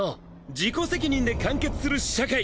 自己責任で完結する社会！